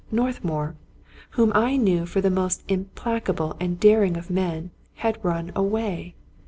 Northmour, whom I knew for the most implacable and daring of men, had run away!